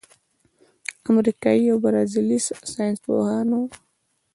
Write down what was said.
امریکايي او برازیلي ساینسپوهانو